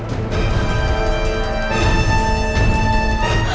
nggak usah ngelak